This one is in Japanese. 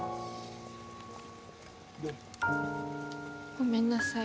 ごめんなさい。